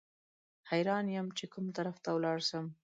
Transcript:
حیران یم چې کوم طرف ته ولاړ شم.